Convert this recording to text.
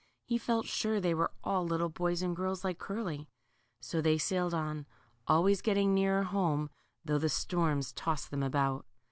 He felt sure they were all little boys and girls like Curly. So they sailed on, always getting nearer home, though the storms tossed them about.